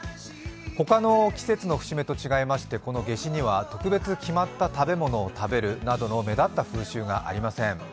他の季節の節目と違いましてこの夏至には特別、決まった食べ物を食べるなどの目立った風習がありません。